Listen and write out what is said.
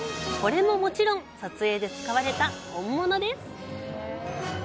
これも、もちろん撮影で使われた本物です。